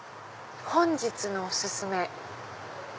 「本日のおすすめ。